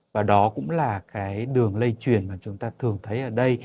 và đó cũng là cái đường lây truyền mà chúng ta thường thấy ở đây